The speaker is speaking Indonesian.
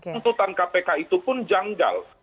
tuntutan kpk itu pun janggal